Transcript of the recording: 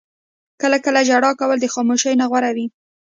• کله کله ژړا کول د خاموشۍ نه غوره وي.